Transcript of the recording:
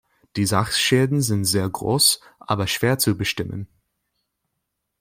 Die Sachschäden sind sehr groß, aber schwer zu bestimmen.